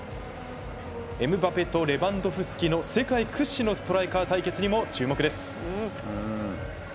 エムバペとレバンドフスキの世界屈指のストライカー対決にも注目です。